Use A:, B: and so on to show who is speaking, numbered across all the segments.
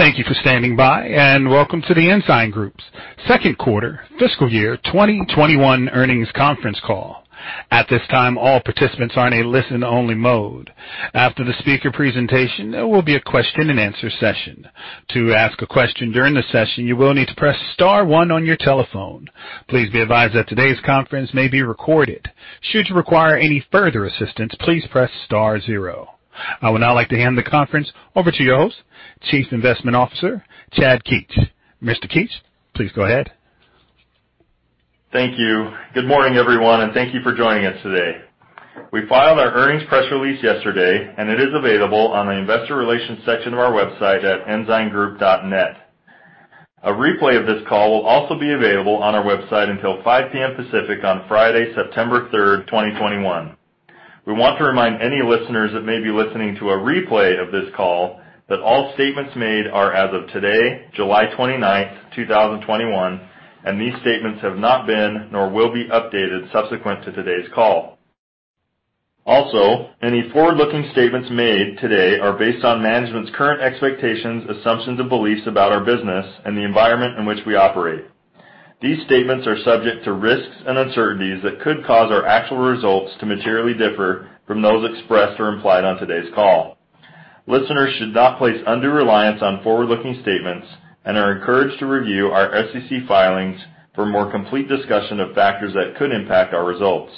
A: Thank you for standing by, and welcome to The Ensign Group's second quarter fiscal year 2021 earnings conference call. At this time, all participants are in a listen-only mode. After the speaker presentation, there will be a question and answer session. To ask a question during the session, you will need to press star one on your telephone. Please be advised that today's conference may be recorded. Should you require any further assistance, please press star zero. I would now like to hand the conference over to your host, Chief Investment Officer, Chad Keetch. Mr. Keetch, please go ahead.
B: Thank you. Good morning, everyone, and thank you for joining us today. We filed our earnings press release yesterday, and it is available on the Investor Relations section of our website at ensigngroup.net. A replay of this call will also be available on our website until 5:00 P.M. Pacific on Friday, September 3rd, 2021. We want to remind any listeners that may be listening to a replay of this call that all statements made are as of today, July 29th, 2021, and these statements have not been, nor will be updated subsequent to today's call. Any forward-looking statements made today are based on management's current expectations, assumptions and beliefs about our business and the environment in which we operate. These statements are subject to risks and uncertainties that could cause our actual results to materially differ from those expressed or implied on today's call. Listeners should not place undue reliance on forward-looking statements and are encouraged to review our SEC filings for a more complete discussion of factors that could impact our results.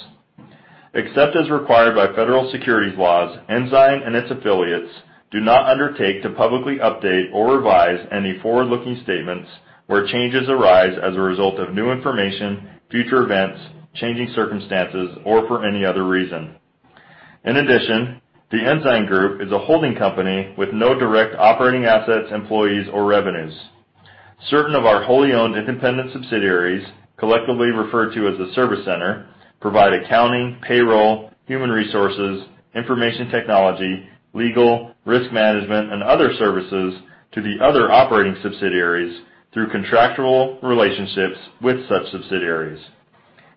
B: Except as required by federal securities laws, Ensign and its affiliates do not undertake to publicly update or revise any forward-looking statements where changes arise as a result of new information, future events, changing circumstances, or for any other reason. In addition, The Ensign Group is a holding company with no direct operating assets, employees, or revenues. Certain of our wholly owned independent subsidiaries, collectively referred to as the service center, provide accounting, payroll, human resources, information technology, legal, risk management, and other services to the other operating subsidiaries through contractual relationships with such subsidiaries.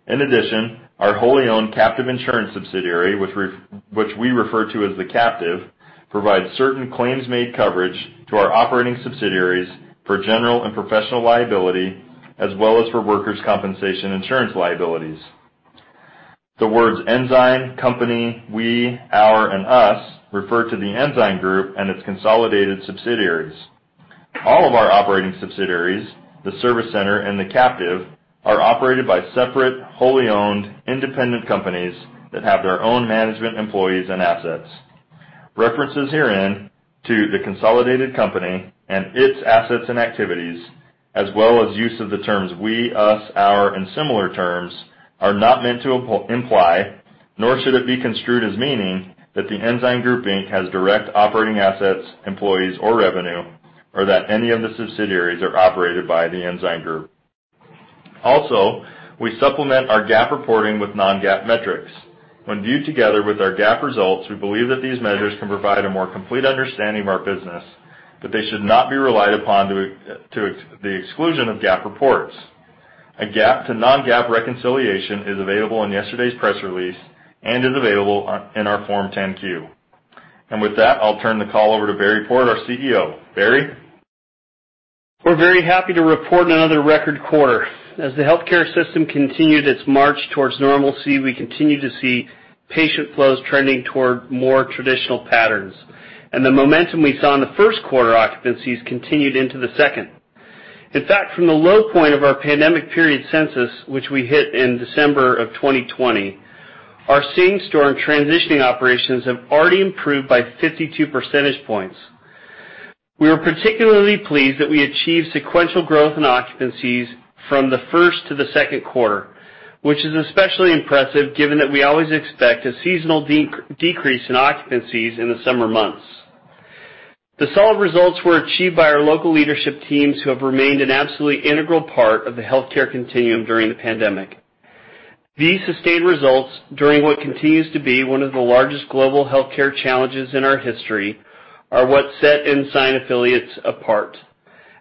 B: In addition, our wholly owned captive insurance subsidiary, which we refer to as the captive, provides certain claims-made coverage to our operating subsidiaries for general and professional liability, as well as for workers' compensation insurance liabilities. The words Ensign, company, we, our, and us refer to The Ensign Group and its consolidated subsidiaries. All of our operating subsidiaries, the service center and the captive, are operated by separate, wholly owned independent companies that have their own management employees and assets. References herein to the consolidated company and its assets and activities, as well as use of the terms we, us, our, and similar terms, are not meant to imply, nor should it be construed as meaning, that The Ensign Group, Inc. has direct operating assets, employees, or revenue, or that any of the subsidiaries are operated by The Ensign Group. Also, we supplement our GAAP reporting with non-GAAP metrics. When viewed together with our GAAP results, we believe that these measures can provide a more complete understanding of our business, but they should not be relied upon to the exclusion of GAAP reports. A GAAP to non-GAAP reconciliation is available in yesterday's press release and is available in our Form 10-Q. With that, I'll turn the call over to Barry Port, our CEO. Barry?
C: We're very happy to report another record quarter. As the healthcare system continued its march towards normalcy, we continued to see patient flows trending toward more traditional patterns, and the momentum we saw in the first quarter occupancies continued into the second. In fact, from the low point of our pandemic period census, which we hit in December of 2020, our same store and transitioning operations have already improved by 52 percentage points. We are particularly pleased that we achieved sequential growth in occupancies from the first to the second quarter, which is especially impressive given that we always expect a seasonal decrease in occupancies in the summer months. The solid results were achieved by our local leadership teams who have remained an absolutely integral part of the healthcare continuum during the pandemic. These sustained results, during what continues to be one of the largest global healthcare challenges in our history, are what set Ensign affiliates apart.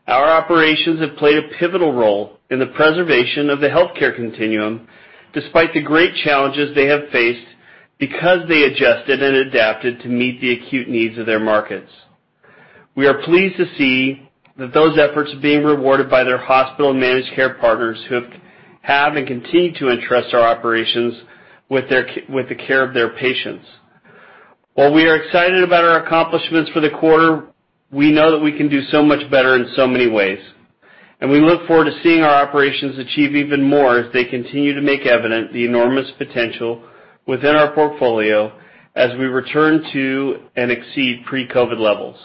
C: Our operations have played a pivotal role in the preservation of the healthcare continuum, despite the great challenges they have faced because they adjusted and adapted to meet the acute needs of their markets. We are pleased to see that those efforts are being rewarded by their hospital and managed care partners who have and continue to entrust our operations with the care of their patients. While we are excited about our accomplishments for the quarter, we know that we can do so much better in so many ways, and we look forward to seeing our operations achieve even more as they continue to make evident the enormous potential within our portfolio as we return to and exceed pre-COVID levels.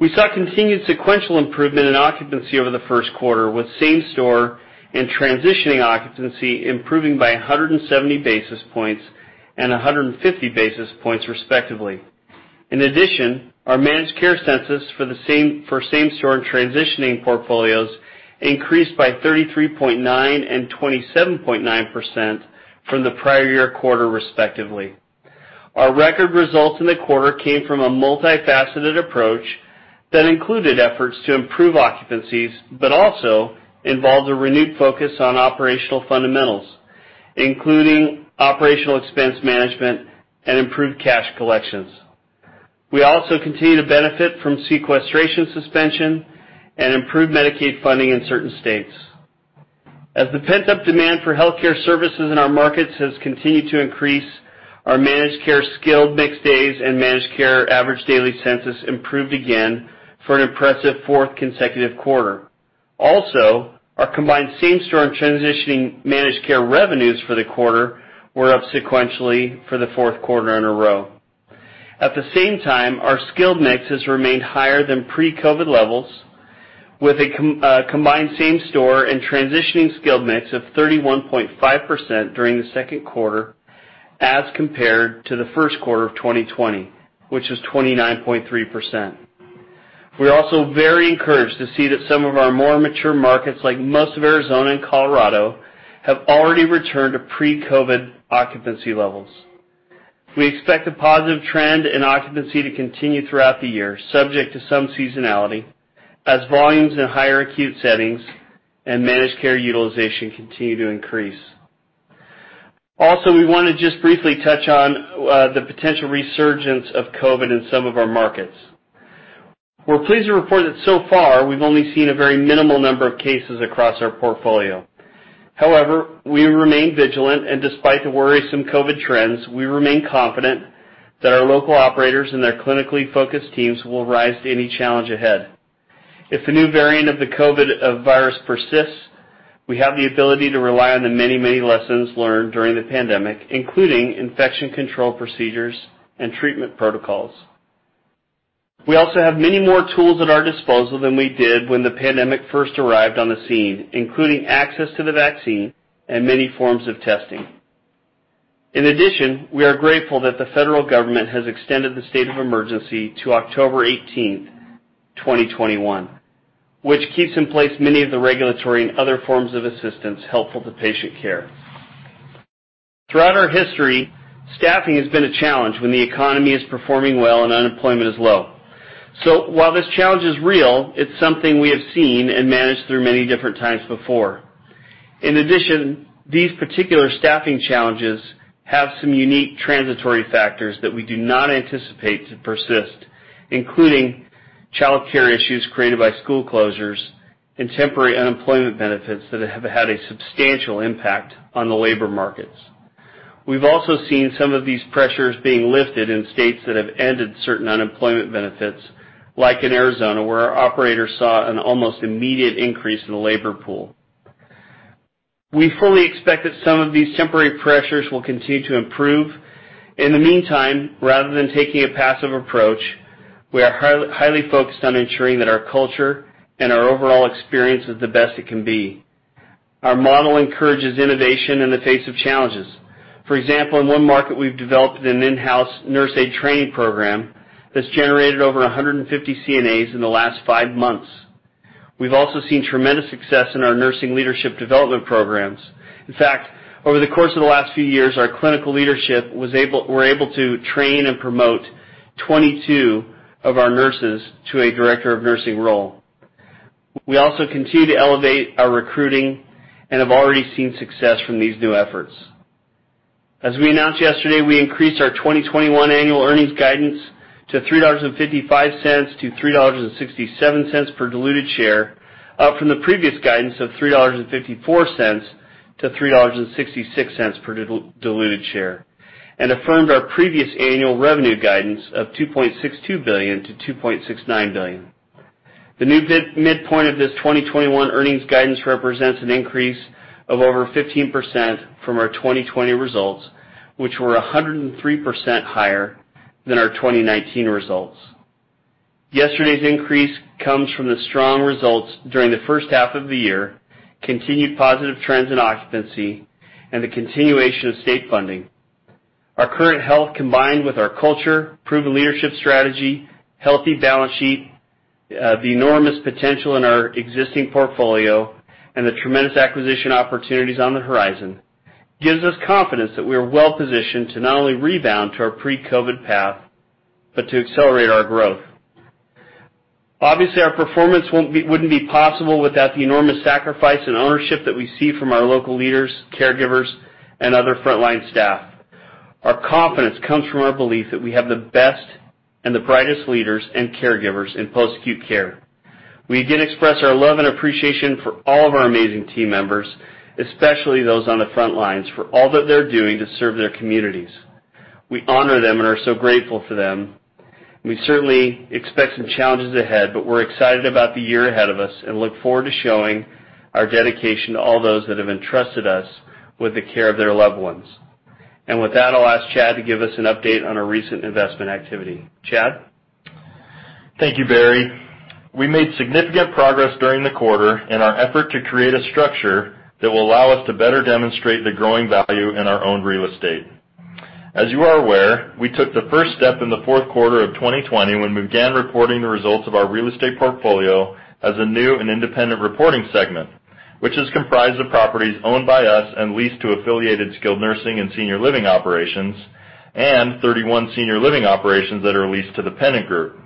C: We saw continued sequential improvement in occupancy over the first quarter, with same store and transitioning occupancy improving by 170 basis points and 150 basis points, respectively. In addition, our managed care census for same store and transitioning portfolios increased by 33.9% and 27.9% from the prior year quarter, respectively. Our record results in the quarter came from a multifaceted approach that included efforts to improve occupancies, but also involved a renewed focus on operational fundamentals, including operational expense management and improved cash collections. We also continue to benefit from sequestration suspension and improved Medicaid funding in certain states. As the pent-up demand for healthcare services in our markets has continued to increase, our managed care skilled mix days and managed care average daily census improved again for an impressive fourth consecutive quarter. Also our combined same-store and transitioning managed care revenues for the quarter were up sequentially for the fourth quarter in a row. At the same time, our skilled mix has remained higher than pre-COVID levels, with a combined same-store and transitioning skilled mix of 31.5% during the second quarter as compared to the first quarter of 2020, which was 29.3%. We're also very encouraged to see that some of our more mature markets, like most of Arizona and Colorado, have already returned to pre-COVID occupancy levels. We expect the positive trend in occupancy to continue throughout the year, subject to some seasonality as volumes in higher acute settings and managed care utilization continue to increase. Also we want to just briefly touch on the potential resurgence of COVID in some of our markets. We're pleased to report that so far, we've only seen a very minimal number of cases across our portfolio. However, we remain vigilant and despite the worrisome COVID trends, we remain confident that our local operators and their clinically focused teams will rise to any challenge ahead. If a new variant of the COVID virus persists, we have the ability to rely on the many, many lessons learned during the pandemic, including infection control procedures and treatment protocols. We also have many more tools at our disposal than we did when the pandemic first arrived on the scene, including access to the vaccine and many forms of testing. In addition, we are grateful that the federal government has extended the state of emergency to October 18th, 2021, which keeps in place many of the regulatory and other forms of assistance helpful to patient care. Throughout our history, staffing has been a challenge when the economy is performing well and unemployment is low. While this challenge is real, it's something we have seen and managed through many different times before. In addition, these particular staffing challenges have some unique transitory factors that we do not anticipate to persist, including childcare issues created by school closures and temporary unemployment benefits that have had a substantial impact on the labor markets. We've also seen some of these pressures being lifted in states that have ended certain unemployment benefits, like in Arizona, where our operators saw an almost immediate increase in the labor pool. We fully expect that some of these temporary pressures will continue to improve. In the meantime, rather than taking a passive approach, we are highly focused on ensuring that our culture and our overall experience is the best it can be. Our model encourages innovation in the face of challenges. For example, in one market, we've developed an in-house nurse aid training program that's generated over 150 CNAs in the last five months. We've also seen tremendous success in our nursing leadership development programs. In fact, over the course of the last few years, our clinical leadership were able to train and promote 22 of our nurses to a Director of Nursing role. We also continue to elevate our recruiting and have already seen success from these new efforts. As we announced yesterday, we increased our 2021 annual earnings guidance to $3.55-$3.67 per diluted share, up from the previous guidance of $3.54-$3.66 per diluted share, and affirmed our previous annual revenue guidance of $2.62 billion-$2.69 billion. The new midpoint of this 2021 earnings guidance represents an increase of over 15% from our 2020 results, which were 103% higher than our 2019 results. Yesterday's increase comes from the strong results during the first half of the year, continued positive trends in occupancy, and the continuation of state funding. Our current health, combined with our culture, proven leadership strategy, healthy balance sheet, the enormous potential in our existing portfolio, and the tremendous acquisition opportunities on the horizon, gives us confidence that we are well positioned to not only rebound to our pre-COVID path, but to accelerate our growth. Our performance wouldn't be possible without the enormous sacrifice and ownership that we see from our local leaders, caregivers, and other frontline staff. Our confidence comes from our belief that we have the best and the brightest leaders and caregivers in post-acute care. We again express our love and appreciation for all of our amazing team members, especially those on the front lines, for all that they're doing to serve their communities. We honor them and are so grateful for them. We certainly expect some challenges ahead, we're excited about the year ahead of us and look forward to showing our dedication to all those that have entrusted us with the care of their loved ones. With that, I'll ask Chad to give us an update on our recent investment activity. Chad?
B: Thank you, Barry. We made significant progress during the quarter in our effort to create a structure that will allow us to better demonstrate the growing value in our owned real estate. As you are aware, we took the first step in the fourth quarter of 2020 when we began reporting the results of our real estate portfolio as a new and independent reporting segment, which is comprised of properties owned by us and leased to affiliated skilled nursing and senior living operations, and 31 senior living operations that are leased to The Pennant Group.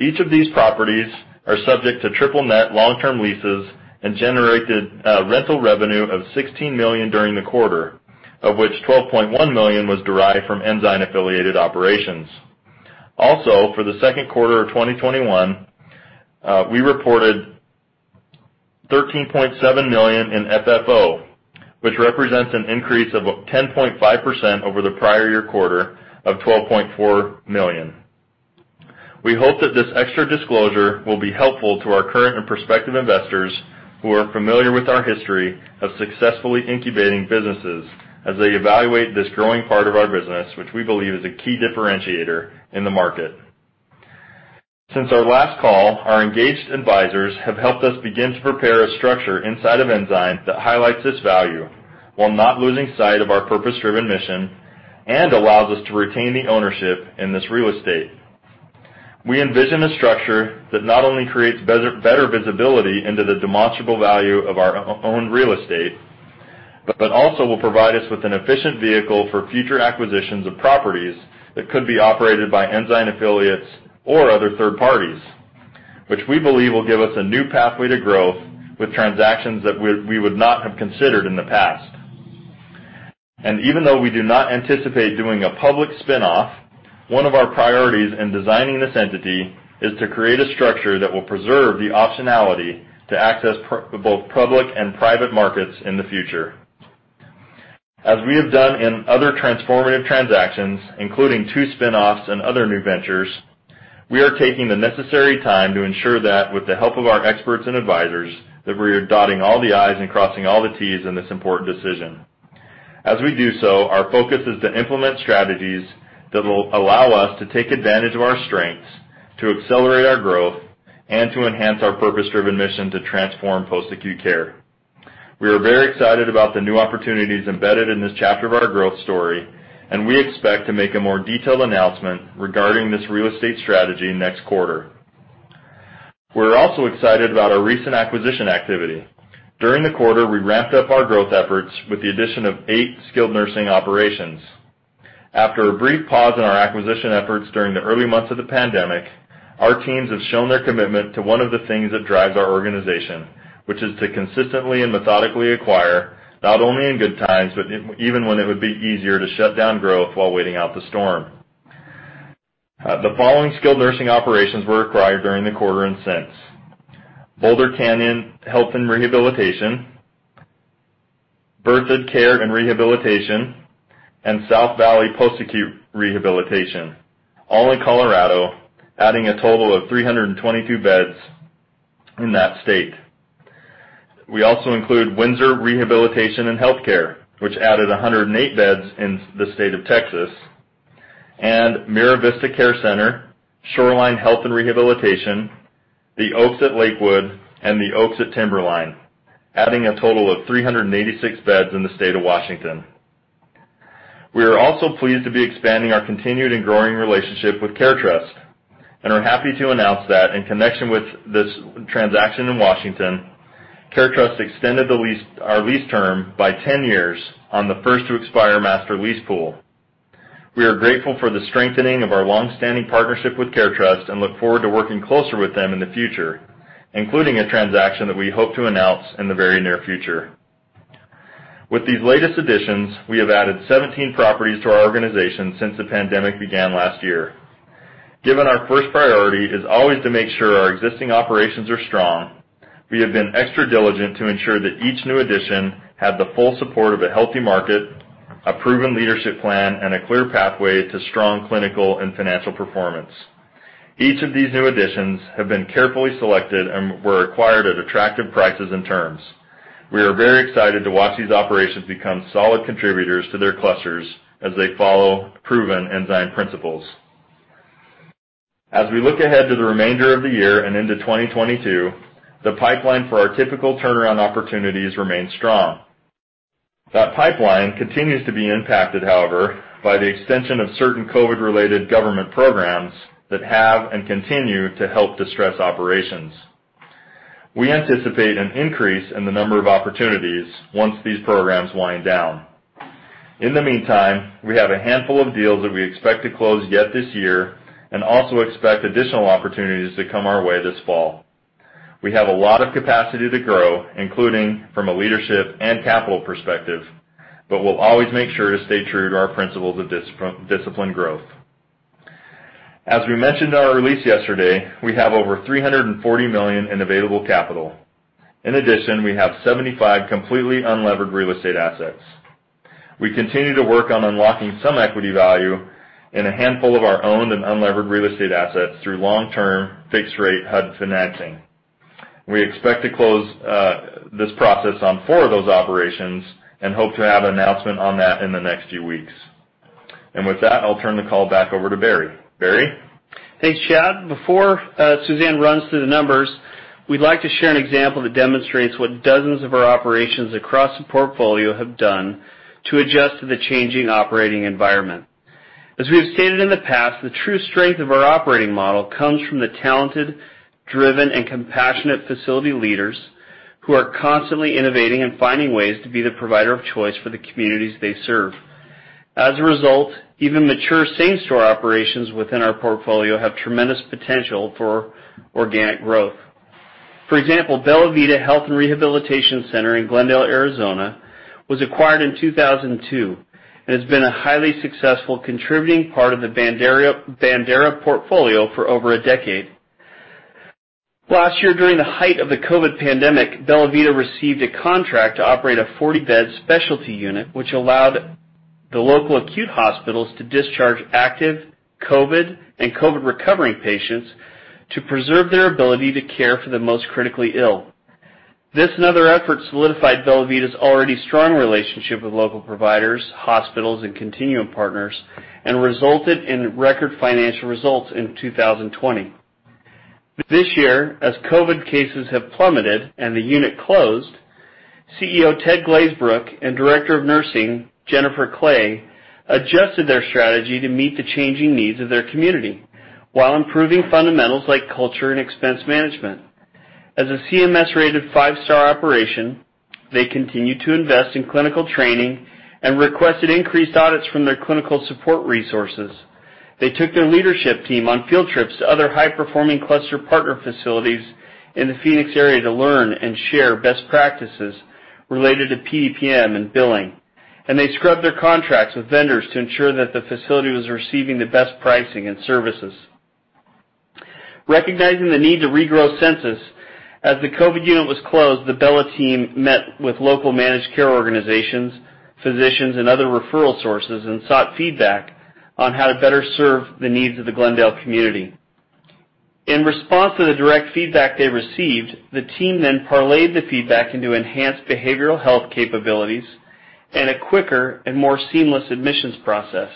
B: Each of these properties are subject to triple-net long-term leases and generated rental revenue of $16 million during the quarter, of which $12.1 million was derived from Ensign affiliated operations. For the second quarter of 2021, we reported $13.7 million in FFO, which represents an increase of 10.5% over the prior-year quarter of $12.4 million. We hope that this extra disclosure will be helpful to our current and prospective investors who are familiar with our history of successfully incubating businesses as they evaluate this growing part of our business, which we believe is a key differentiator in the market. Since our last call, our engaged advisors have helped us begin to prepare a structure inside of Ensign that highlights this value while not losing sight of our purpose-driven mission and allows us to retain the ownership in this real estate. We envision a structure that not only creates better visibility into the demonstrable value of our own real estate, but also will provide us with an efficient vehicle for future acquisitions of properties that could be operated by Ensign affiliates or other third parties, which we believe will give us a new pathway to growth with transactions that we would not have considered in the past. And even though we do not anticipate doing a public spin-off, one of our priorities in designing this entity is to create a structure that will preserve the optionality to access both public and private markets in the future. As we have done in other transformative transactions, including two spin-offs and other new ventures, we are taking the necessary time to ensure that with the help of our experts and advisors, that we are dotting all the I's and crossing all the T's in this important decision. As we do so, our focus is to implement strategies that will allow us to take advantage of our strengths, to accelerate our growth, and to enhance our purpose-driven mission to transform post-acute care. We are very excited about the new opportunities embedded in this chapter of our growth story, and we expect to make a more detailed announcement regarding this real estate strategy next quarter. We're also excited about our recent acquisition activity. During the quarter, we ramped up our growth efforts with the addition of eight skilled nursing operations. After a brief pause in our acquisition efforts during the early months of the pandemic, our teams have shown their commitment to one of the things that drives our organization, which is to consistently and methodically acquire not only in good times, but even when it would be easier to shut down growth while waiting out the storm. The following skilled nursing operations were acquired during the quarter and since. Boulder Canyon Health and Rehabilitation, Berthoud Care and Rehabilitation, and South Valley Post-Acute Rehabilitation, all in Colorado, adding a total of 322 beds in that state. We also include Windsor Rehabilitation & Healthcare, which added 108 beds in the state of Texas, and Mira Vista Care Center, Shoreline Health and Rehabilitation, The Oaks at Lakewood, and The Oaks at Timberline, adding a total of 386 beds in the state of Washington. We are also pleased to be expanding our continued and growing relationship with CareTrust, and are happy to announce that in connection with this transaction in Washington, CareTrust extended our lease term by 10 years on the first to expire master lease pool. We are grateful for the strengthening of our long-standing partnership with CareTrust and look forward to working closer with them in the future, including a transaction that we hope to announce in the very near future. With these latest additions, we have added 17 properties to our organization since the pandemic began last year. Given our first priority is always to make sure our existing operations are strong, we have been extra diligent to ensure that each new addition had the full support of a healthy market, a proven leadership plan, and a clear pathway to strong clinical and financial performance. Each of these new additions have been carefully selected and were acquired at attractive prices and terms. We are very excited to watch these operations become solid contributors to their clusters as they follow proven Ensign principles. As we look ahead to the remainder of the year and into 2022, the pipeline for our typical turnaround opportunities remains strong. That pipeline continues to be impacted, however, by the extension of certain COVID-related government programs that have and continue to help distress operations. We anticipate an increase in the number of opportunities once these programs wind down. In the meantime, we have a handful of deals that we expect to close yet this year and also expect additional opportunities to come our way this fall. We have a lot of capacity to grow, including from a leadership and capital perspective, but we'll always make sure to stay true to our principles of disciplined growth. As we mentioned in our release yesterday, we have over $340 million in available capital. In addition, we have 75 completely unlevered real estate assets. We continue to work on unlocking some equity value in a handful of our owned and unlevered real estate assets through long-term fixed rate HUD financing. We expect to close this process on four of those operations and hope to have an announcement on that in the next few weeks. With that, I'll turn the call back over to Barry. Barry?
C: Thanks, Chad. Before Suzanne runs through the numbers, we'd like to share an example that demonstrates what dozens of our operations across the portfolio have done to adjust to the changing operating environment. As we have stated in the past, the true strength of our operating model comes from the talented, driven, and compassionate facility leaders who are constantly innovating and finding ways to be the provider of choice for the communities they serve. As a result, even mature same-store operations within our portfolio have tremendous potential for organic growth. For example, Bella Vita Health and Rehabilitation Center in Glendale, Arizona, was acquired in 2002 and has been a highly successful contributing part of the Bandera portfolio for over a decade. Last year, during the height of the COVID pandemic, Bella Vita received a contract to operate a 40-bed specialty unit, which allowed the local acute hospitals to discharge active COVID and COVID-recovering patients to preserve their ability to care for the most critically ill. This and other efforts solidified Bella Vita's already strong relationship with local providers, hospitals, and continuum partners and resulted in record financial results in 2020. This year, as COVID cases have plummeted and the unit closed, CEO Tedd Glazebrook and Director of Nursing Jennifer Clay adjusted their strategy to meet the changing needs of their community while improving fundamentals like culture and expense management. As a CMS-rated five-star operation, they continued to invest in clinical training and requested increased audits from their clinical support resources. They took their leadership team on field trips to other high-performing cluster partner facilities in the Phoenix area to learn and share best practices related to PDPM and billing. They scrubbed their contracts with vendors to ensure that the facility was receiving the best pricing and services. Recognizing the need to regrow census as the COVID unit was closed, the Bella team met with local managed care organizations, physicians, and other referral sources and sought feedback on how to better serve the needs of the Glendale community. In response to the direct feedback they received, the team then parlayed the feedback into enhanced behavioral health capabilities and a quicker and more seamless admissions process.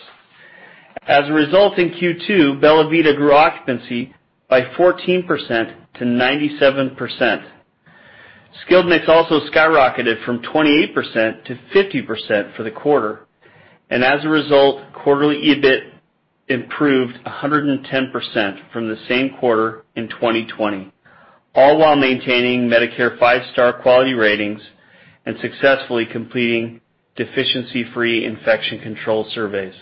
C: As a result, in Q2, Bella Vita grew occupancy by 14%-97%. Skilled mix also skyrocketed from 28%-50% for the quarter. As a result, quarterly EBIT improved 110% from the same quarter in 2020, all while maintaining Medicare five-star quality ratings and successfully completing deficiency-free infection control surveys.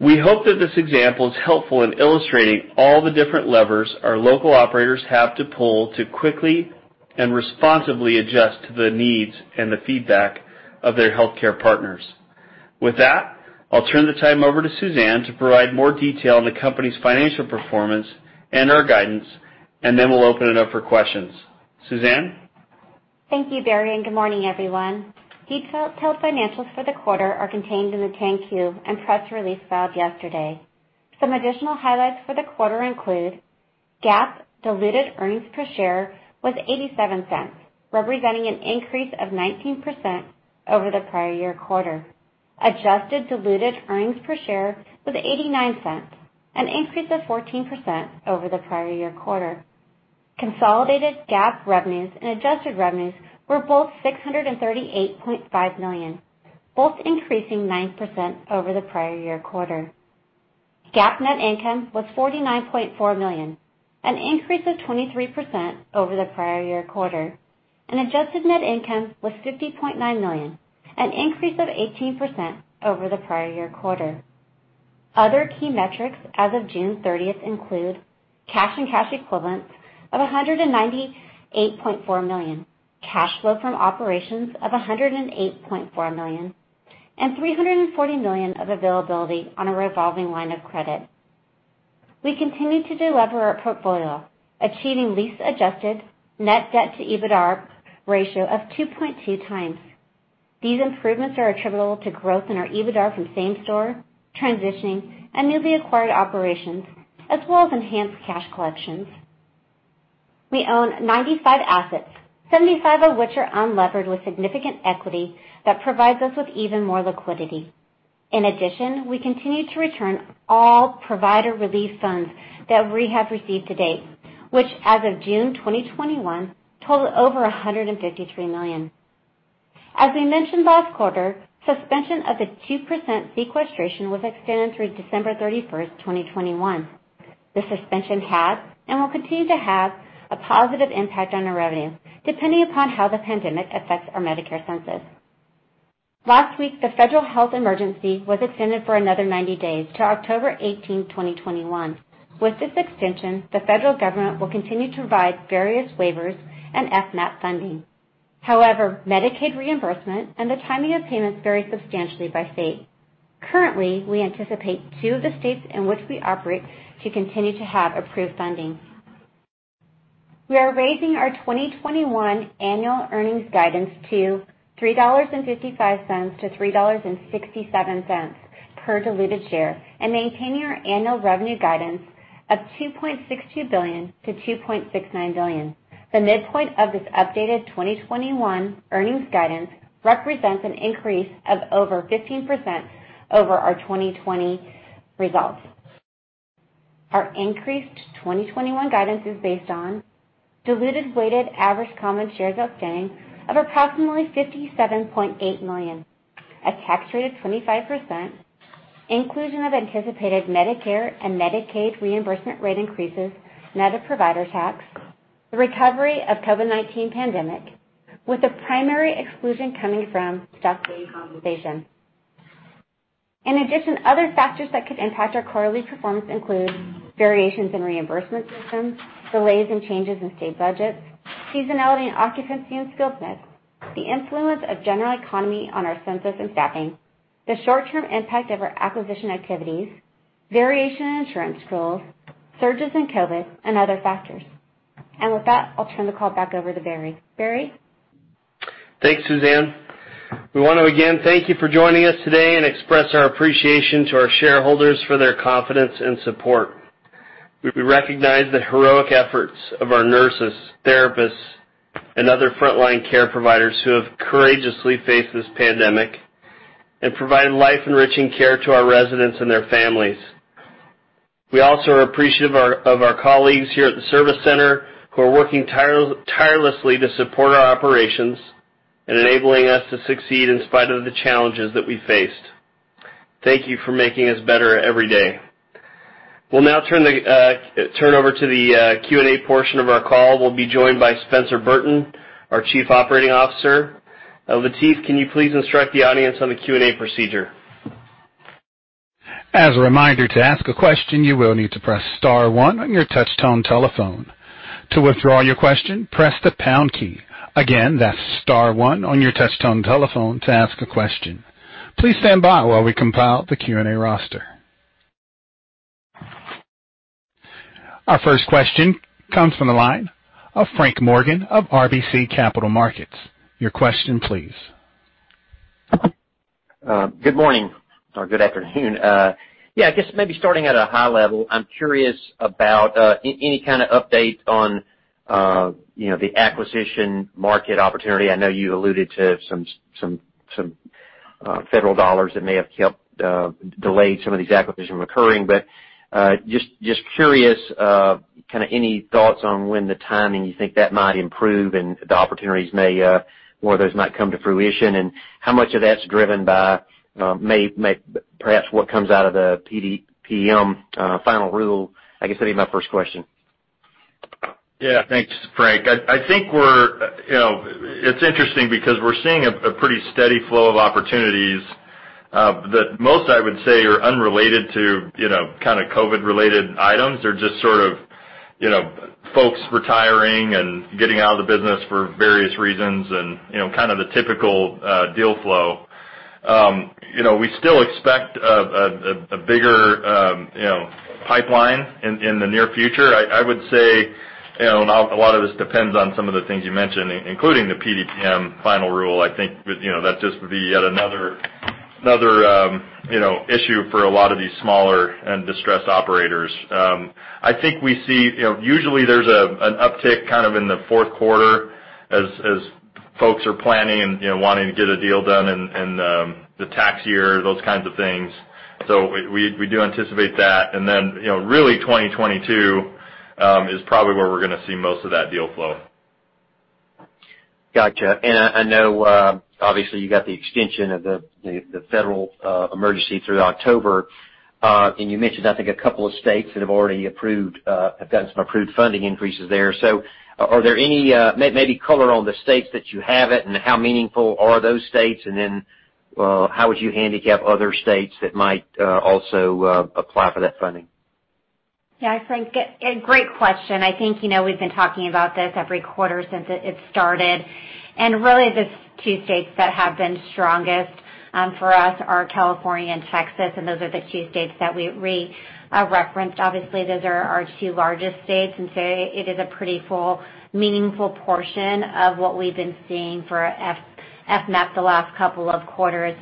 C: We hope that this example is helpful in illustrating all the different levers our local operators have to pull to quickly and responsively adjust to the needs and the feedback of their healthcare partners. With that, I'll turn the time over to Suzanne to provide more detail on the company's financial performance and our guidance, then we'll open it up for questions. Suzanne?
D: Thank you, Barry, and good morning, everyone. Detailed financials for the quarter are contained in the 10-Q and press release filed yesterday. Some additional highlights for the quarter include GAAP diluted earnings per share was $0.87, representing an increase of 19% over the prior year quarter. Adjusted diluted earnings per share was $0.89, an increase of 14% over the prior year quarter. Consolidated GAAP revenues and adjusted revenues were both $638.5 million, both increasing 9% over the prior year quarter. GAAP net income was $49.4 million, an increase of 23% over the prior year quarter. Adjusted net income was $50.9 million, an increase of 18% over the prior year quarter. Other key metrics as of June 30th include cash and cash equivalents of $198.4 million, cash flow from operations of $108.4 million, and $340 million of availability on a revolving line of credit. We continue to delever our portfolio, achieving lease-adjusted net debt to EBITDAR ratio of 2.2x. These improvements are attributable to growth in our EBITDAR from same store, transitioning, and newly acquired operations, as well as enhanced cash collections. We own 95 assets, 75 of which are unlevered with significant equity that provides us with even more liquidity. In addition we continue to return all provider relief funds that we have received to date, which as of June 2021 totaled over $153 million. As we mentioned last quarter, suspension of the 2% sequestration was extended through December 31st, 2021. The suspension has, and will continue to have, a positive impact on our revenue, depending upon how the pandemic affects our Medicare census. Last week, the federal health emergency was extended for another 90 days to October 18th, 2021. With this extension, the federal government will continue to provide various waivers and FMAP funding. However, Medicaid reimbursement and the timing of payments vary substantially by state. Currently, we anticipate two of the states in which we operate to continue to have approved funding. We are raising our 2021 annual earnings guidance to $3.55-$3.67 per diluted share and maintaining our annual revenue guidance of $2.62 billion-$2.69 billion. The midpoint of this updated 2021 earnings guidance represents an increase of over 15% over our 2020 results. Our increased 2021 guidance is based on diluted weighted average common shares outstanding of approximately 57.8 million, a tax rate of 25%, inclusion of anticipated Medicare and Medicaid reimbursement rate increases, net of provider tax, the recovery of COVID-19 pandemic, with the primary exclusion coming from stock-based compensation. In addition, other factors that could impact our quarterly performance include variations in reimbursement systems, delays and changes in state budgets, seasonality and occupancy and skilled mix, the influence of general economy on our census and staffing, the short-term impact of our acquisition activities, variation in insurance tools, surges in COVID, and other factors. With that, I'll turn the call back over to Barry. Barry?
C: Thanks, Suzanne. We want to, again, thank you for joining us today and express our appreciation to our shareholders for their confidence and support. We recognize the heroic efforts of our nurses, therapists, and other frontline care providers who have courageously faced this pandemic and provided life-enriching care to our residents and their families. We also are appreciative of our colleagues here at the service center who are working tirelessly to support our operations and enabling us to succeed in spite of the challenges that we faced. Thank you for making us better every day. We'll now turn over to the Q&A portion of our call. We'll be joined by Spencer Burton, our Chief Operating Officer. Latif, can you please instruct the audience on the Q&A procedure?
A: As a reminder, to ask a question, you will need to press star one on your touch tone telephone. To withdraw your question, press the pound key. Again, that's star one on your touch tone telephone to ask a question. Please stand by while we compile the Q&A roster. Our first question comes from the line of Frank Morgan of RBC Capital Markets. Your question please.
E: Good morning or good afternoon. Yeah, I guess maybe starting at a high level, I'm curious about any kind of update on the acquisition market opportunity. I know you alluded to some federal dollars that may have delayed some of these acquisitions from occurring. Just curious, any thoughts on when the timing you think that might improve and the opportunities may, more of those might come to fruition, and how much of that's driven by perhaps what comes out of the PDPM final rule? I guess that'd be my first question.
B: Thanks, Frank. I think it's interesting because we're seeing a pretty steady flow of opportunities that most, I would say, are unrelated to COVID-related items. They're just folks retiring and getting out of the business for various reasons and kind of the typical deal flow. We still expect a bigger pipeline in the near future. I would say a lot of this depends on some of the things you mentioned, including the PDPM final rule. I think that just would be yet another issue for a lot of these smaller and distressed operators. I think we see, usually there's an uptick in the fourth quarter as folks are planning and wanting to get a deal done in the tax year, those kinds of things. We do anticipate that, and then, really, 2022 is probably where we're going to see most of that deal flow.
E: Gotcha. I know, obviously, you got the extension of the federal emergency through October. You mentioned, I think, a couple of states that have already approved, have gotten some approved funding increases there. Are there any, maybe color on the states that you have it, and how meaningful are those states? How would you handicap other states that might also apply for that funding?
D: Yeah. Frank, great question. I think we've been talking about this every quarter since it started. Really, the two states that have been strongest for us are California and Texas, and those are the two states that we referenced. Obviously, those are our two largest states, so it is a pretty full, meaningful portion of what we've been seeing for FMAP the last couple of quarters.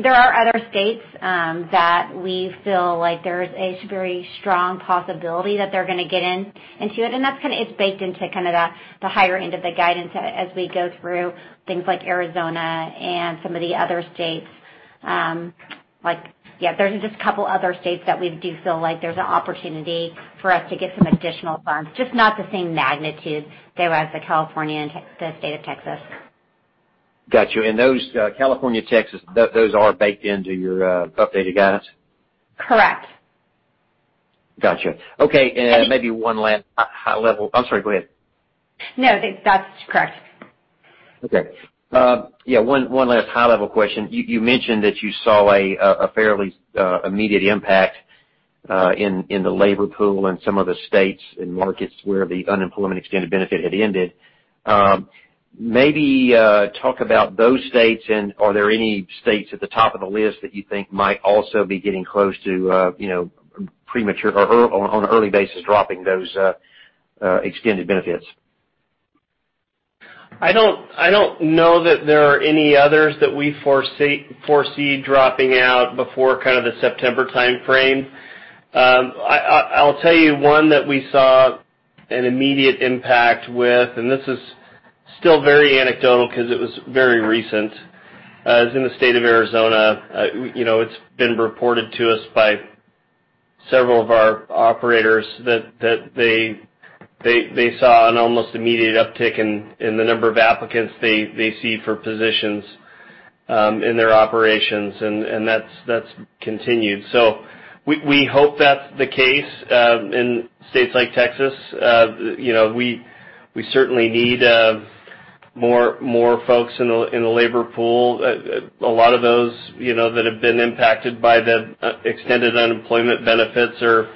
D: There are other states that we feel like there's a very strong possibility that they're going to get into it's baked into the higher end of the guidance as we go through things like Arizona and some of the other states. There's just a couple other states that we do feel like there's an opportunity for us to get some additional funds, just not the same magnitude as the California and the state of Texas.
E: Got you. Those, California, Texas, those are baked into your updated guidance?
D: Correct.
E: Got you. Okay.
D: And-
E: Maybe one last high level I'm sorry. Go ahead.
D: No, that's correct.
E: Okay. One last high-level question. You mentioned that you saw a fairly immediate impact in the labor pool in some of the states and markets where the unemployment extended benefit had ended. Maybe talk about those states and are there any states at the top of the list that you think might also be getting close to premature or on an early basis dropping those extended benefits?
C: I don't know that there are any others that we foresee dropping out before the September timeframe. I'll tell you one that we saw an immediate impact with, and this is still very anecdotal because it was very recent. It's in the state of Arizona. It's been reported to us by several of our operators that they saw an almost immediate uptick in the number of applicants they see for positions in their operations, and that's continued. We hope that's the case in states like Texas. We certainly need more folks in the labor pool. A lot of those that have been impacted by the extended unemployment benefits are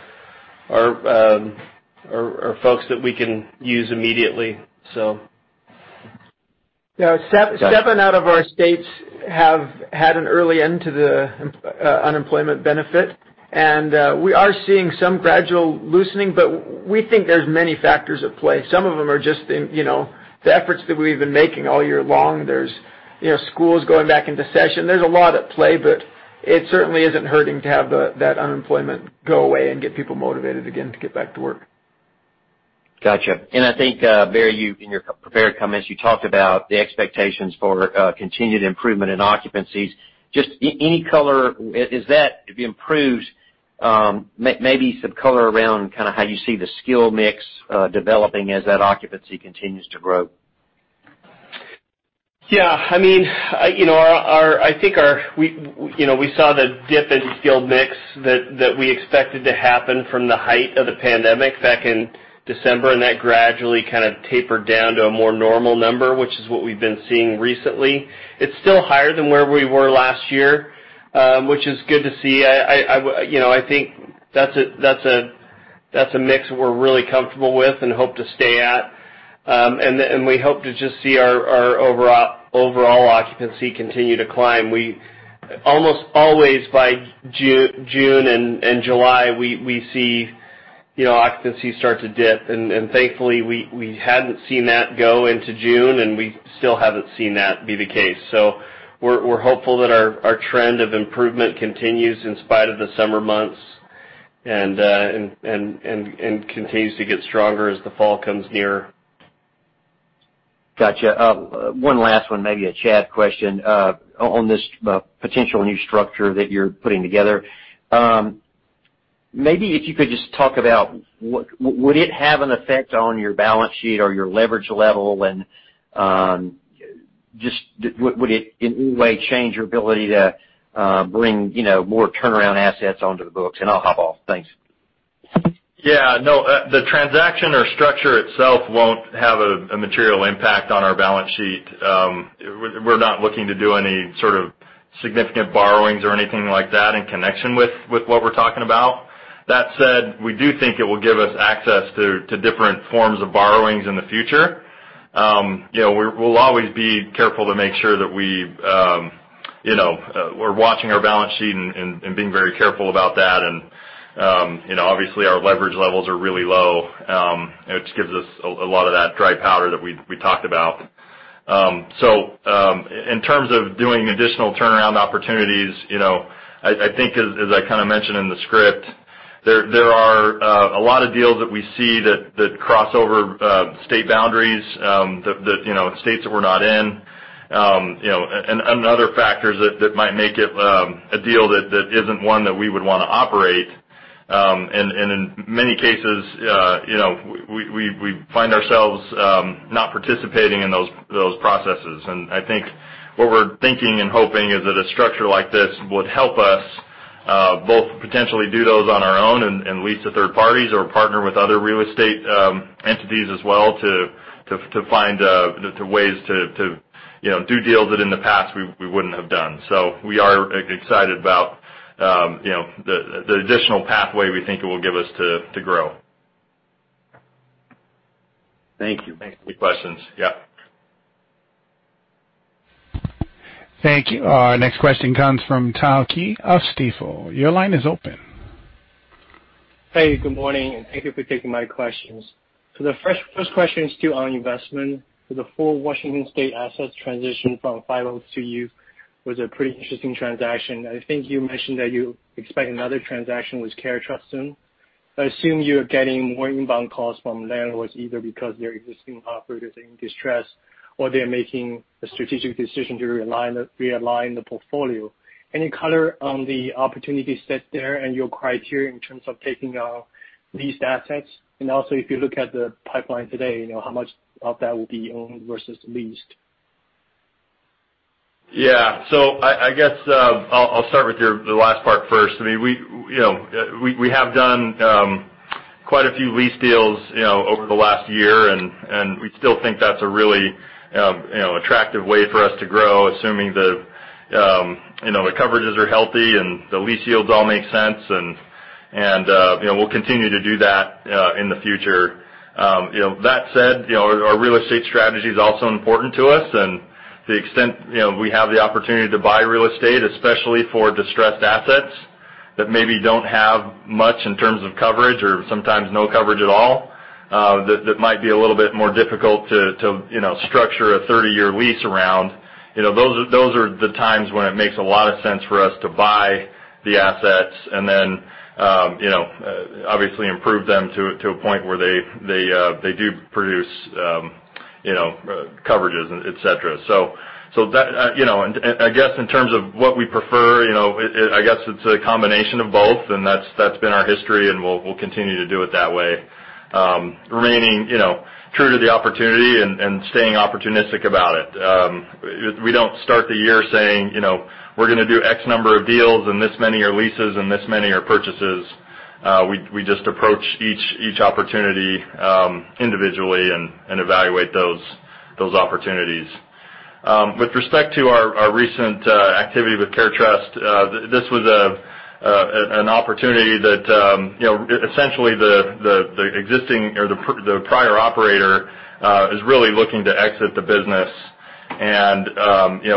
C: folks that we can use immediately.
F: Yeah. Seven out of our states have had an early end to the unemployment benefit. We are seeing some gradual loosening, but we think there's many factors at play. Some of them are just the efforts that we've been making all year long. There's schools going back into session. There's a lot at play, but it certainly isn't hurting to have that unemployment go away and get people motivated again to get back to work.
E: Got you. I think, Barry, in your prepared comments, you talked about the expectations for continued improvement in occupancies. Just any color, as that improves, maybe some color around how you see the skilled mix developing as that occupancy continues to grow.
C: Yeah. I think we saw the dip in skilled mix that we expected to happen from the height of the pandemic back in December. That gradually tapered down to a more normal number, which is what we've been seeing recently. It's still higher than where we were last year, which is good to see. I think that's a mix we're really comfortable with and hope to stay at. We hope to just see our overall occupancy continue to climb. We almost always, by June and July, we see occupancy start to dip. Thankfully, we hadn't seen that go into June, and we still haven't seen that be the case. We're hopeful that our trend of improvement continues in spite of the summer months, and continues to get stronger as the fall comes near.
E: Got you. One last one, maybe a Chad question, on this potential new structure that you're putting together. If you could just talk about would it have an effect on your balance sheet or your leverage level, just would it in any way change your ability to bring more turnaround assets onto the books? I'll hop off. Thanks.
B: Yeah. No, the transaction or structure itself won't have a material impact on our balance sheet. We're not looking to do any sort of significant borrowings or anything like that in connection with what we're talking about. That said, we do think it will give us access to different forms of borrowings in the future. We'll always be careful to make sure that we're watching our balance sheet and being very careful about that. Obviously, our leverage levels are really low, which gives us a lot of that dry powder that we talked about. In terms of doing additional turnaround opportunities, I think as I kind of mentioned in the script, there are a lot of deals that we see that cross over state boundaries, that states that we're not in, and other factors that might make it a deal that isn't one that we would want to operate. In many cases, we find ourselves not participating in those processes. I think what we're thinking and hoping is that a structure like this would help us both potentially do those on our own and lease to third parties or partner with other real estate entities as well to find ways to do deals that in the past we wouldn't have done. We are excited about the additional pathway we think it will give us to grow.
E: Thank you.
B: Thanks for the questions. Yep.
A: Thank you. Our next question comes from Tao Qiu of Stifel. Your line is open.
G: Hey, good morning, and thank you for taking my questions. The first question is to on investment. For the full Washington state assets transition from [5O] to you was a pretty interesting transaction. I think you mentioned that you expect another transaction with CareTrust soon. I assume you're getting more inbound calls from landlords, either because their existing operators are in distress or they're making a strategic decision to realign the portfolio. Any color on the opportunity set there and your criteria in terms of taking these assets? Also, if you look at the pipeline today, how much of that will be owned versus leased?
B: Yeah. I guess I'll start with the last part first. We have done quite a few lease deals over the last year, and we still think that's a really attractive way for us to grow, assuming the coverages are healthy and the lease yields all make sense. We'll continue to do that in the future. That said, our real estate strategy is also important to us and to the extent we have the opportunity to buy real estate, especially for distressed assets that maybe don't have much in terms of coverage or sometimes no coverage at all, that might be a little bit more difficult to structure a 30-year lease around. Those are the times when it makes a lot of sense for us to buy the assets and then obviously improve them to a point where they do produce coverages, et cetera. I guess in terms of what we prefer, I guess it's a combination of both, and that's been our history, and we'll continue to do it that way. Remaining true to the opportunity and staying opportunistic about it. We don't start the year saying, "We're going to do X number of deals and this many are leases and this many are purchases." We just approach each opportunity individually and evaluate those opportunities. With respect to our recent activity with CareTrust, this was an opportunity that essentially the existing or the prior operator is really looking to exit the business, and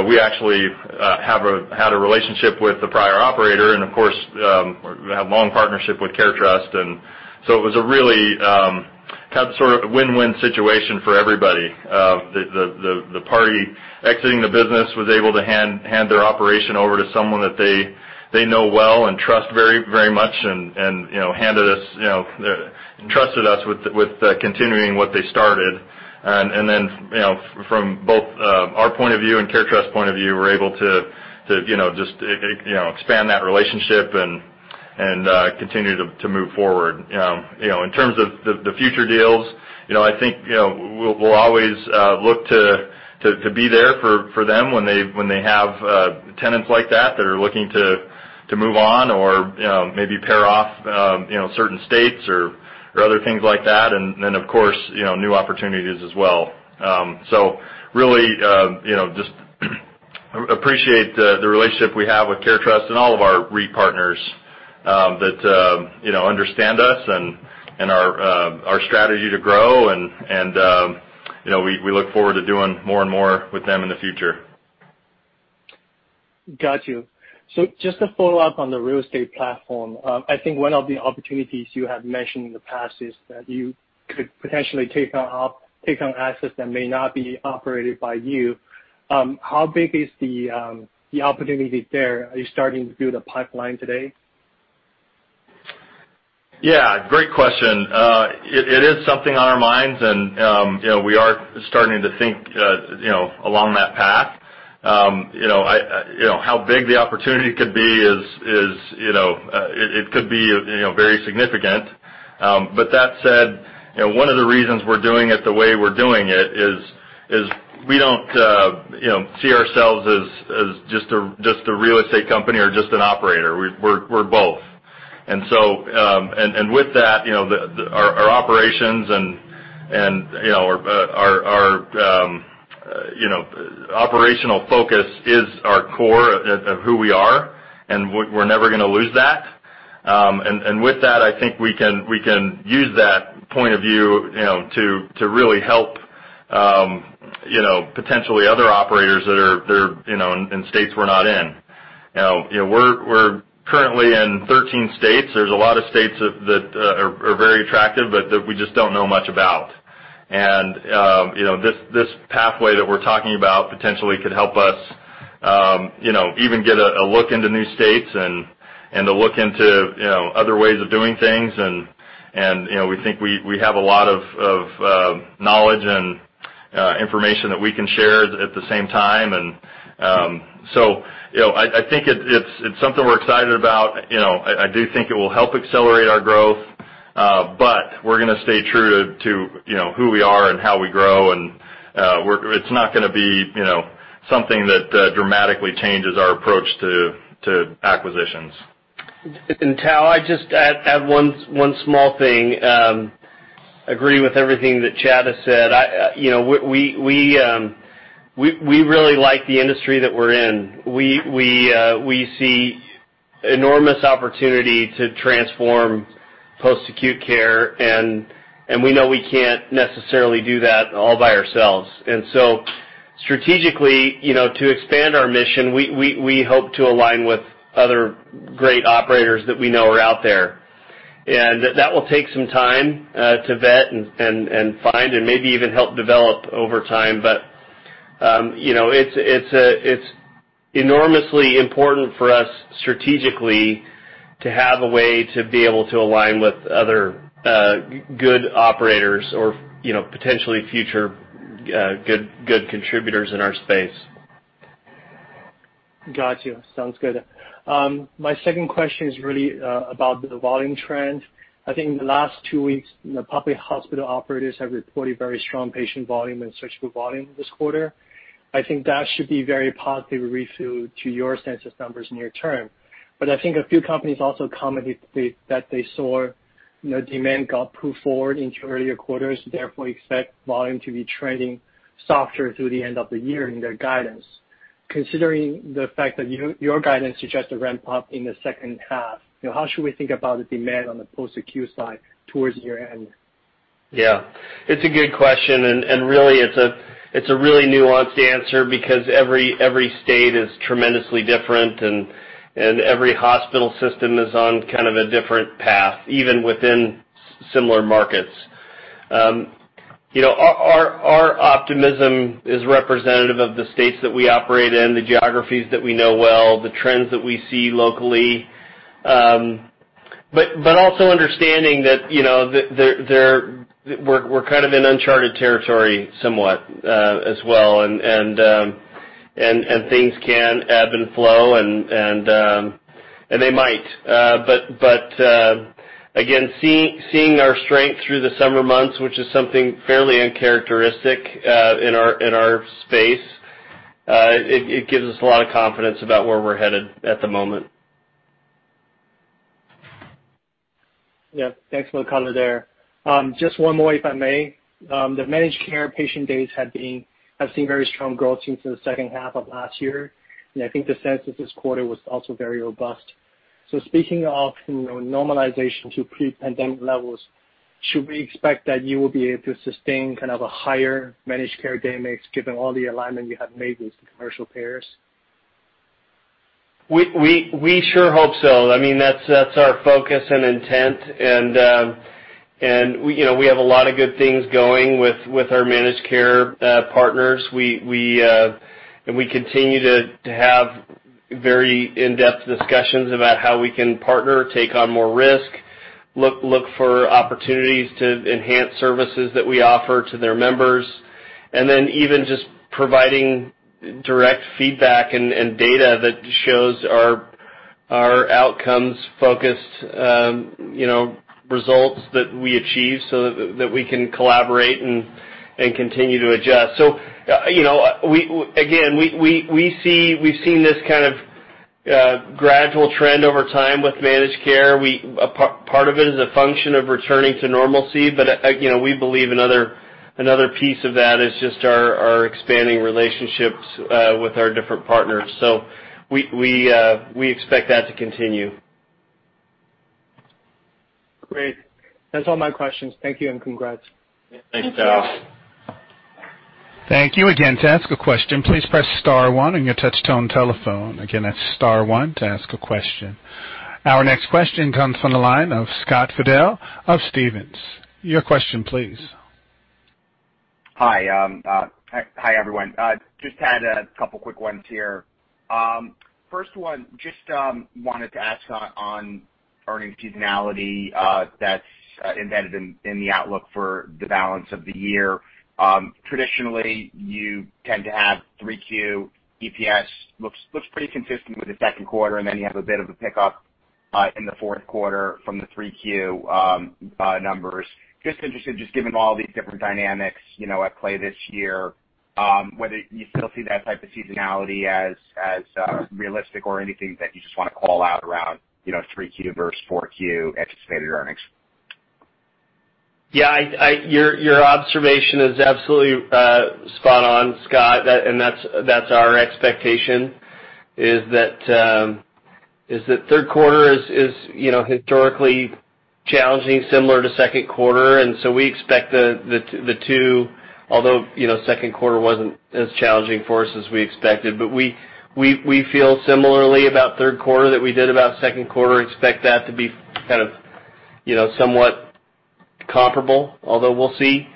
B: we actually had a relationship with the prior operator and of course, we have long partnership with CareTrust and so it was a really kind of sort of win-win situation for everybody. The party exiting the business was able to hand their operation over to someone that they know well and trust very much and handed us, trusted us with continuing what they started. Then, from both our point of view and CareTrust point of view, we're able to just expand that relationship and continue to move forward. In terms of the future deals, I think we'll always look to be there for them when they have tenants like that are looking to move on or maybe pair off certain states or other things like that, and then of course, new opportunities as well. Really, just appreciate the relationship we have with CareTrust and all of our REIT-partners that understand us and our strategy to grow and we look forward to doing more and more with them in the future.
G: Got you. Just to follow up on the real estate platform. I think one of the opportunities you have mentioned in the past is that you could potentially take on assets that may not be operated by you. How big is the opportunity there? Are you starting to build a pipeline today?
B: Yeah. Great question. It is something on our minds, and we are starting to think along that path. How big the opportunity could be is, it could be very significant. That said, one of the reasons we're doing it the way we're doing it is we don't see ourselves as just a real estate company or just an operator. We're both. With that, our operations and our operational focus is our core of who we are, and we're never going to lose that. With that, I think we can use that point of view to really help, potentially other operators that are in states we're not in. We're currently in 13 states. There's a lot of states that are very attractive, but that we just don't know much about. This pathway that we're talking about potentially could help us even get a look into new states and to look into other ways of doing things. We think we have a lot of knowledge and information that we can share at the same time. I think it's something we're excited about. I do think it will help accelerate our growth. We're going to stay true to who we are and how we grow, and it's not going to be something that dramatically changes our approach to acquisitions.
C: Tao, I just add one small thing. Agree with everything that Chad has said. We really like the industry that we're in. We see enormous opportunity to transform post-acute care, and we know we can't necessarily do that all by ourselves. Strategically, to expand our mission, we hope to align with other great operators that we know are out there. That will take some time to vet and find and maybe even help develop over time. It's enormously important for us strategically to have a way to be able to align with other good operators or potentially future good contributors in our space.
G: Got you. Sounds good. My second question is really about the volume trend. I think in the last two weeks, public hospital operators have reported very strong patient volume and surgical volume this quarter. I think a few companies also commented that they saw demand got pulled forward into earlier quarters, therefore expect volume to be trending softer through the end of the year in their guidance. Considering the fact that your guidance suggests a ramp up in the second half, how should we think about the demand on the post-acute side towards year-end?
C: Yeah. It's a good question, and really, it's a really nuanced answer because every state is tremendously different and every hospital system is on kind of a different path, even within similar markets. Our optimism is representative of the states that we operate in, the geographies that we know well, the trends that we see locally. Also understanding that we're kind of in uncharted territory somewhat, as well, and things can ebb and flow, and they might. Again, seeing our strength through the summer months, which is something fairly uncharacteristic in our space, it gives us a lot of confidence about where we're headed at the moment.
G: Yeah. Thanks for the color there. Just one more, if I may. The managed care patient days have seen very strong growth since the second half of last year, and I think the sense of this quarter was also very robust. Speaking of normalization to pre-pandemic levels, should we expect that you will be able to sustain kind of a higher managed care dynamics given all the alignment you have made with the commercial payers?
C: We sure hope so. That's our focus and intent, and we have a lot of good things going with our managed care partners. We continue to have very in-depth discussions about how we can partner, take on more risk, look for opportunities to enhance services that we offer to their members, and then even just providing direct feedback and data that shows our outcomes-focused results that we achieve so that we can collaborate and continue to adjust. Again, we've seen this kind of gradual trend over time with managed care. Part of it is a function of returning to normalcy, but we believe another piece of that is just our expanding relationships with our different partners. We expect that to continue.
G: Great. That's all my questions. Thank you, and congrats.
D: Thanks you.
C: Yeah. Thanks, Tao.
A: Thank you. Our next question comes from the line of Scott Fidel of Stephens. Your question please.
H: Hi. Hi, everyone. Just had a couple quick ones here. First one, just wanted to ask on earnings seasonality that's embedded in the outlook for the balance of the year. Traditionally, you tend to have 3Q EPS, looks pretty consistent with the second quarter, and then you have a bit of a pickup in the fourth quarter from the 3Q numbers. Just interested, just given all these different dynamics at play this year, whether you still see that type of seasonality as realistic or anything that you just want to call out around 3Q versus 4Q anticipated earnings.
C: Yeah. Your observation is absolutely spot on, Scott, and that's our expectation, is that third quarter is historically challenging, similar to second quarter. We expect the two, although second quarter wasn't as challenging for us as we expected. We feel similarly about third quarter that we did about second quarter. Expect that to be kind of somewhat comparable, although we'll see.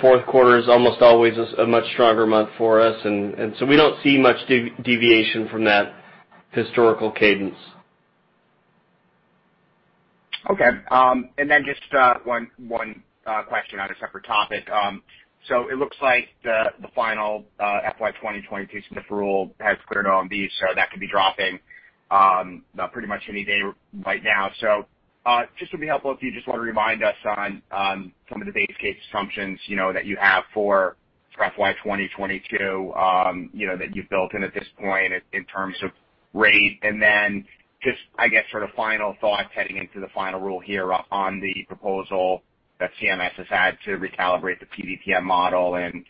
C: Fourth quarter is almost always a much stronger month for us, and so we don't see much deviation from that historical cadence.
H: Okay. Just one question on a separate topic. It looks like the final FY 2022 SNF rule has cleared OMB, so that could be dropping pretty much any day right now. Just would be helpful if you just want to remind us on some of the base case assumptions that you have for FY 2022, that you've built in at this point in terms of rate. Just, I guess, sort of final thoughts heading into the final rule here on the proposal that CMS has had to recalibrate the PDPM model and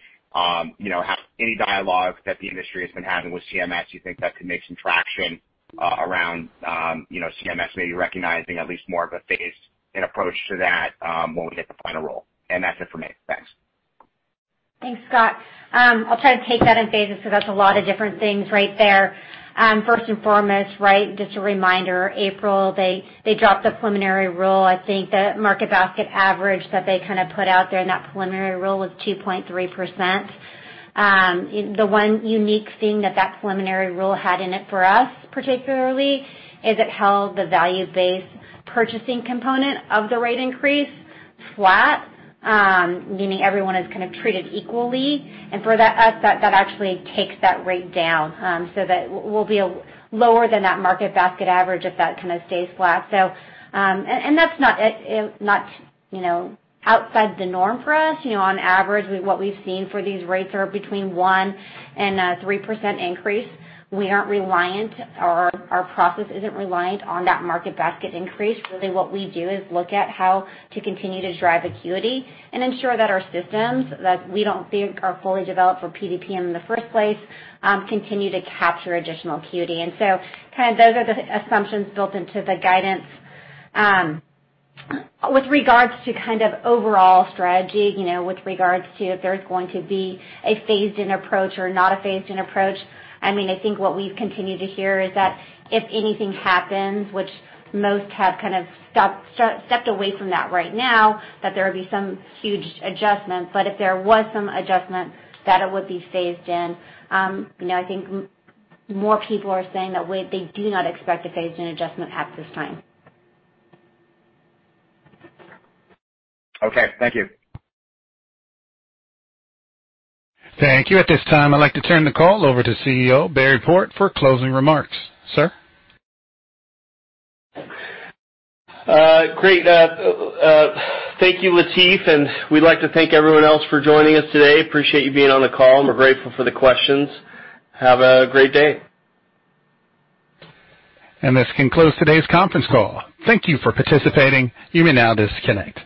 H: any dialogue that the industry has been having with CMS, you think that could make some traction around CMS maybe recognizing at least more of a phased-in approach to that when we get the final rule. That's it for me. Thanks.
D: Thanks, Scott. I'll try to take that in phases because that's a lot of different things right there. First and foremost, just a reminder, April, they dropped the preliminary rule. I think the market basket average that they kind of put out there in that preliminary rule was 2.3%. The one unique thing that that preliminary rule had in it for us particularly, is it held the value-based purchasing component of the rate increase flat, meaning everyone is kind of treated equally. For us, that actually takes that rate down, so that we'll be lower than that market basket average if that kind of stays flat. That's not outside the norm for us. On average, what we've seen for these rates are between 1% and 3% increase. We aren't reliant, or our process isn't reliant on that market basket increase. Really what we do is look at how to continue to drive acuity and ensure that our systems that we don't think are fully developed for PDPM in the first place, continue to capture additional acuity. Kind of those are the assumptions built into the guidance. With regards to kind of overall strategy, with regards to if there's going to be a phased-in approach or not a phased-in approach, I think what we've continued to hear is that if anything happens, which most have kind of stepped away from that right now, that there would be some huge adjustments, but if there was some adjustment, that it would be phased in. I think more people are saying that they do not expect a phased-in adjustment at this time.
H: Okay. Thank you.
A: Thank you. At this time, I'd like to turn the call over to CEO, Barry Port, for closing remarks. Sir?
C: Great. Thank you, Latif. We'd like to thank everyone else for joining us today. Appreciate you being on the call. We're grateful for the questions. Have a great day.
A: This concludes today's conference call. Thank you for participating. You may now disconnect.